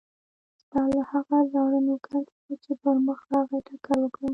ستا له هغه زاړه نوکر سره چې پر مخه راغی ټکر وکړم.